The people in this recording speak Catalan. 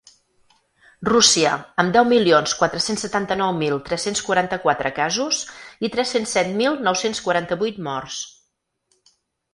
Rússia, amb deu milions quatre-cents setanta-nou mil tres-cents quaranta-quatre casos i tres-cents set mil nou-cents quaranta-vuit morts.